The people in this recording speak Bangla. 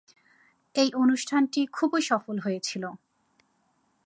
এই অনুষ্ঠানটি খুবই সফল হয়েছিল।